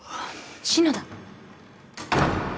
篠田